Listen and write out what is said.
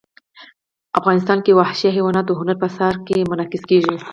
افغانستان کې وحشي حیوانات د هنر په اثار کې منعکس کېږي.